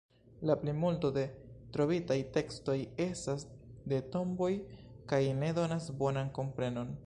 La plimulto de trovitaj tekstoj estas de tomboj kaj ne donas bonan komprenon.